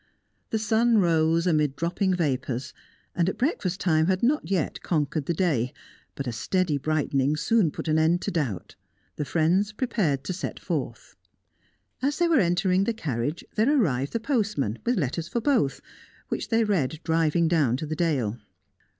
The sun rose amid dropping vapours, and at breakfast time had not yet conquered the day, but a steady brightening soon put an end to doubt. The friends prepared to set forth. As they were entering the carriage there arrived the postman, with letters for both, which they read driving down to the dale.